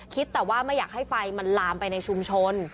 แต่ว่าไม่อยากให้ไฟมันลามไปในชุมชน